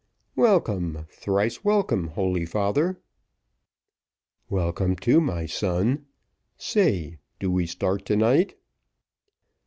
"Welcome, thrice welcome, holy father." "Welcome, too, my son. Say, do we start to night?"